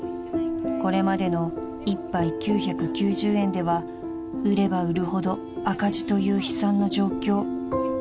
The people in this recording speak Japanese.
［これまでの１杯９９０円では売れば売るほど赤字という悲惨な状況］